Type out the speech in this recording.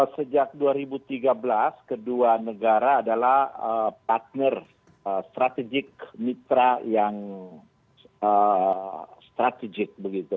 sejak dua ribu tiga belas kedua negara adalah partner strategik mitra yang strategik begitu